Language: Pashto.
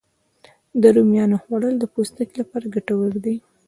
د رومیانو خوړل د پوستکي لپاره ګټور دي